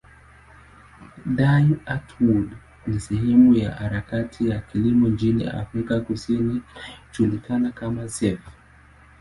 Die Antwoord ni sehemu ya harakati ya kilimo nchini Afrika Kusini inayojulikana kama zef.